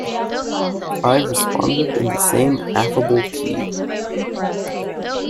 I responded in the same affable key.